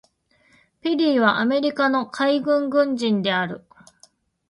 ペリーはアメリカの海軍軍人である。